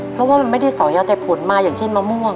เพราะว่ามันไม่ได้สอยเอาแต่ผลมาอย่างเช่นมะม่วง